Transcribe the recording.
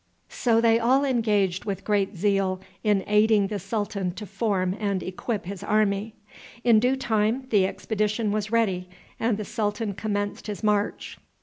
So they all engaged with great zeal in aiding the sultan to form and equip his army. In due time the expedition was ready, and the sultan commenced his march.